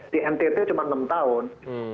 di ntt cuma enam tahun